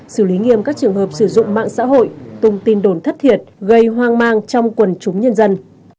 xử lý nghiêm các trường hợp sử dụng mạng xã hội tung tin đồn thất thiệt gây hoang mang trong quần chúng nhân dân